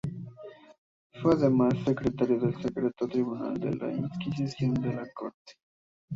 Fue además secretario del Secreto del Tribunal de la Inquisición de la Corte.